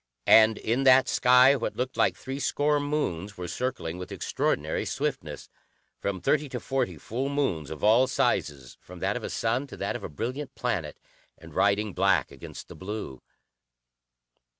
And in that sky what looked like threescore moons were circling with extraordinary swiftness. From thirty to forty full moons, of all sizes, from that of a sun to that of a brilliant planet, and riding black against the blue.